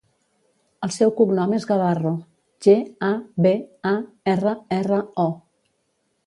El seu cognom és Gabarro: ge, a, be, a, erra, erra, o.